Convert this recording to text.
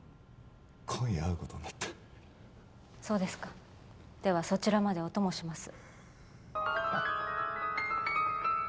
今夜会うことになったそうですかではそちらまでお供します